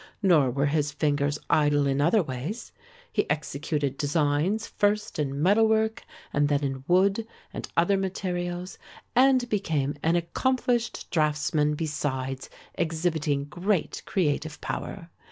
Nor were his fingers idle in other ways; he executed designs first in metalwork and then in wood and other materials and became an accomplished draughtsman besides exhibiting great creative power.